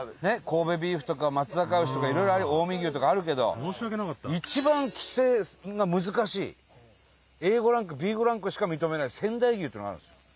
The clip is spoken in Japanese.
神戸ビーフとか松阪牛とかいろいろ、近江牛とかあるけど一番規制が難しい、Ａ５ランクＢ５ランクしか認めない仙台牛っていうのがあるんですよ。